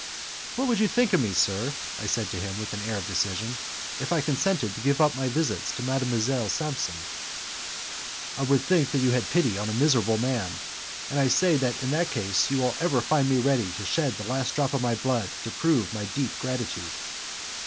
"What would you think of me, sir," I said to him, with an air of decision, "if I consented to give up my visits to Mdlle. Samson?" "I would think that you had pity on a miserable man, and I say that in that case you will ever find me ready to shed the last drop of my blood to prove my deep gratitude."